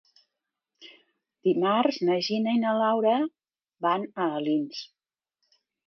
Dimarts na Gina i na Laura van a Alins.